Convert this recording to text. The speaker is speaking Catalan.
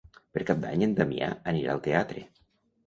Per Cap d'Any en Damià anirà al teatre.